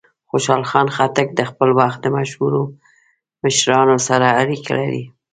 خوشحال خان خټک د خپل وخت د مشهورو مشرانو سره اړیکې لرلې.